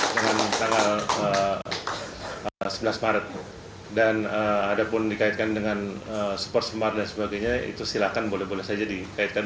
dengan tanggal sebelas maret dan ada pun dikaitkan dengan super smart dan sebagainya itu silakan boleh boleh saja dikaitkan